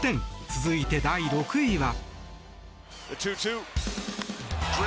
続いて、第６位は。